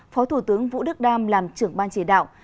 phó thủ tướng vũ đức đam làm trưởng ban chỉ đạo